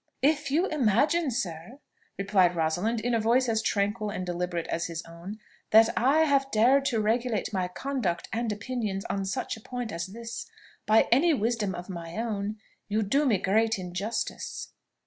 "If you imagine, sir," replied Rosalind, in a voice as tranquil and deliberate as his own, "that I have dared to regulate my conduct and opinions on such a point as this by any wisdom of my own, you do me great injustice.